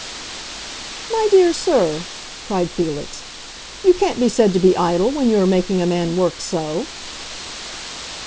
"My dear sir," cried Felix, "you can't be said to be idle when you are making a man work so!"